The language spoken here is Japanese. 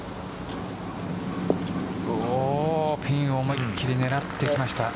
ピンを思いっきり狙ってきました。